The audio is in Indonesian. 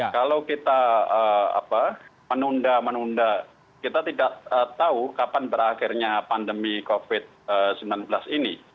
kalau kita menunda menunda kita tidak tahu kapan berakhirnya pandemi covid sembilan belas ini